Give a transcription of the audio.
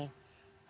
harapan besarnya apa